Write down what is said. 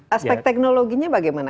aspek teknologinya bagaimana